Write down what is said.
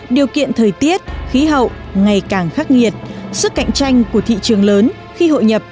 điều kiện thời tiết khí hậu ngày càng khắc nghiệt sức cạnh tranh của thị trường lớn khi hội nhập